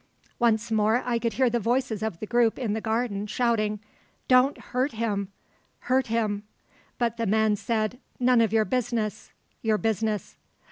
Once more I could hear the voices of the group in the garden shouting, 'Don't hurt him hurt him.' But the man said, 'None of your business your business.'